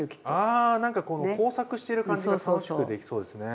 ああ何かこの工作している感じが楽しくできそうですね。